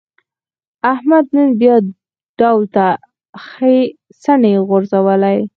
احمد نن بیا ډول ته ښې څڼې غورځولې.